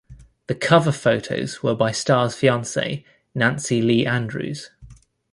The cover photos were by Starr's fiancee, Nancy Lee Andrews.